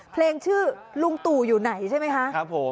เพลงชื่อลุงตู่อยู่ไหนใช่ไหมคะ